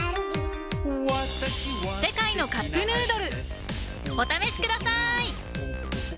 「世界のカップヌードル」お試しください！